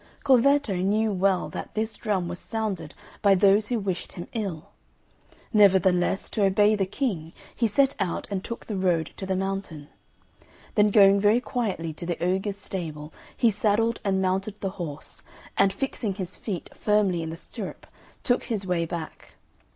Corvetto knew well that this drum was sounded by those who wished him ill; nevertheless, to obey the King, he set out and took the road to the mountain. Then going very quietly to the ogre's stable, he saddled and mounted the horse, and fixing his feet firmly in the stirrup, took his way back.